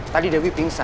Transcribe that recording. tadi dewi pingsan